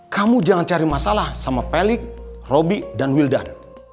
kamu jangan cari masalah sama pelik roby dan wildan